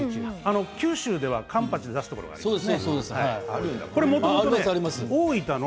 九州ではカンパチで出すことがありますね。